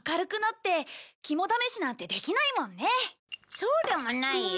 そうでもないよ。